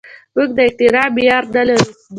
موږ د احترام معیار نه لرو.